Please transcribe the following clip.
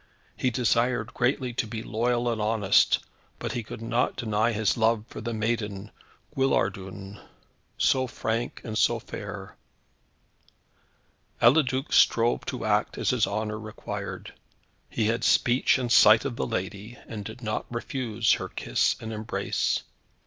He desired greatly to be loyal and honest, but he could not deny his love for the maiden Guillardun, so frank and so fair. Eliduc strove to act as his honour required. He had speech and sight of the lady, and did not refuse her kiss and embrace.